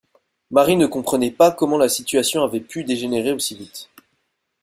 Marie ne comprenait pas comment la situation avait pu dégénérer aussi vite.